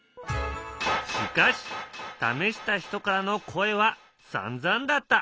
しかし試した人からの声はさんざんだった。